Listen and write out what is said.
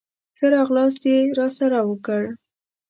ښه راغلاست یې راسره وکړ.